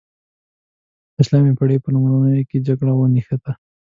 د شلمې پیړۍ په لومړیو کې جګړه ونښته.